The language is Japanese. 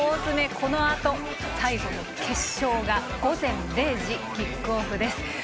このあと、最後の決勝が午前０時キックオフです。